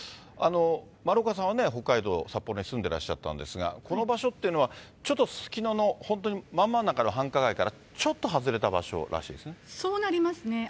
丸岡さんは北海道札幌に住んでらっしゃったんですが、この場所っていうのは、ちょっとすすきののほんとまん真ん中から繁華街からちょっと外れそうなりますね。